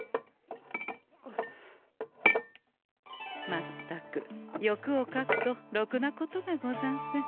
まったく欲をかくとろくなことがござんせん。